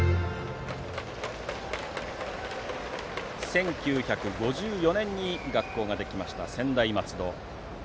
１９５４年に学校ができました専大松戸。